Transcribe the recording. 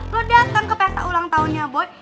lo dateng ke peta ulang tahunnya boy